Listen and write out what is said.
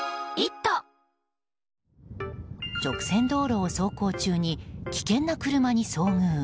直線道路を走行中に危険な車に遭遇。